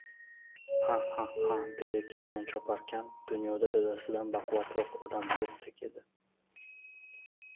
«Hah! Hah! Ha-ah!», deya ketmon choparkan, dunyoda dadasidan baquvvatroq odam yo‘qdek edi.